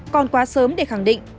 còn quá sớm để khẳng định